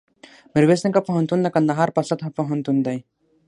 میرویس نیکه پوهنتون دکندهار په سطحه پوهنتون دی